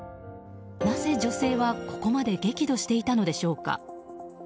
なぜ女性はここまで激怒していたのでしょうか？